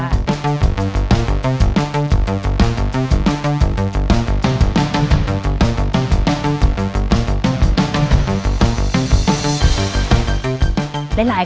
ได้ไลน์กันครับ